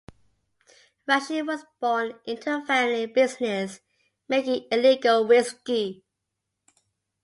Rushing was born into a family business making illegal whiskey.